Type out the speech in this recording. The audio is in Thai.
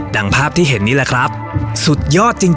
ภาพที่เห็นนี่แหละครับสุดยอดจริง